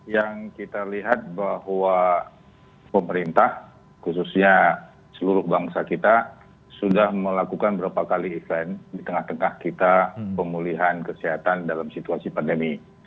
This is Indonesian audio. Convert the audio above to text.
yang kita lihat bahwa pemerintah khususnya seluruh bangsa kita sudah melakukan beberapa kali event di tengah tengah kita pemulihan kesehatan dalam situasi pandemi